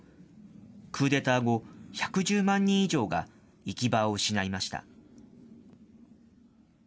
クーデター後、１１０万人以上が行き場を失いました。